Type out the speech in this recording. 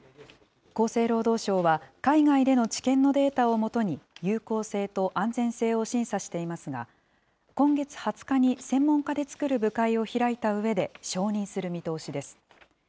厚生労働省は、海外での治験のデータを基に、有効性と安全性を審査していますが、今月２０日に専門家で作る部会を開いたうえで、承認する見通しです。